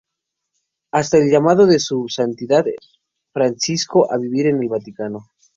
Hasta el llamado de Su Santidad Francisco a vivir en el Vaticano.